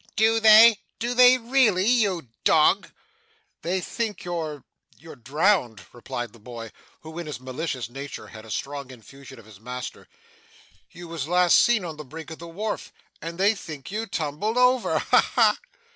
Do they? Do they really, you dog?' 'They think you're you're drowned,' replied the boy, who in his malicious nature had a strong infusion of his master. 'You was last seen on the brink of the wharf, and they think you tumbled over. Ha ha!